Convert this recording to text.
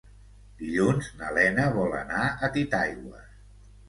Dilluns na Lena vol anar a Titaigües.